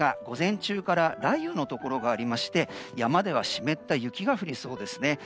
午前中から雷雨のところがありまして山では湿った雪が降りそうです。